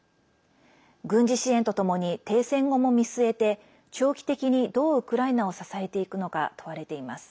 軍事支援とともに停戦後も見据えて長期的に、どうウクライナを支えていくのか問われています。